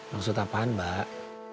maksud apaan mbak